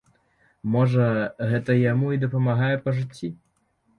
Можа, гэта яму і дапамагае па жыцці?